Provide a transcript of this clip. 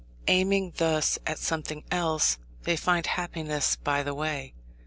Aiming thus at something else, they find happiness by the way.